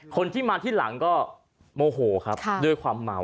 คนที่มาที่หลังก็โมโหครับด้วยความเมา